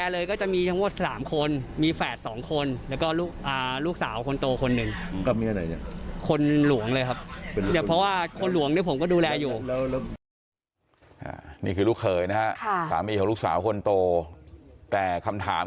แล้วครับสองสามอาทิตย์และที่คุยกันนะครับ